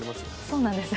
◆そうなんです。